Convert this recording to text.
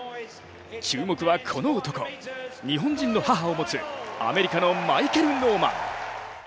注目はこの男、日本人の母を持つアメリカのマイケル・ノーマン。